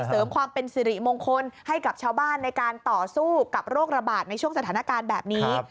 เสริมความเป็นสิริมงคลให้กับชาวบ้านในการต่อสู้กับโรคระบาดในช่วงสถานการณ์แบบนี้